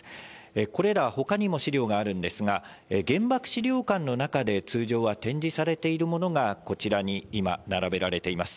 これら、ほかにも資料があるんですが、原爆資料館の中で通常は展示されているものが、こちらに今、並べられています。